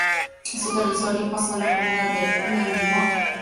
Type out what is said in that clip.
Su territorio pasó a la comuna de La Ligua.